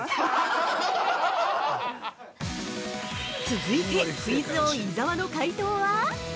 ◆続いてクイズ王・伊沢の解答は？